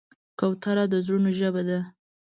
کوتره د زړونو ژبه ده.